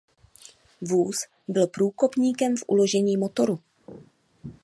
Vůz byl průkopníkem v uložení motoru.